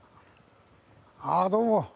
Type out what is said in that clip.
ああどうも。